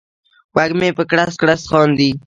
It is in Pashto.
وږمې په کړس، کړس خاندي